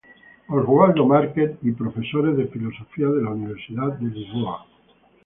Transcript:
Oswaldo Market y profesores de filosofía de la Universidad de Lisboa.